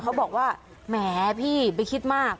เขาบอกว่าแหมพี่ไปคิดมาก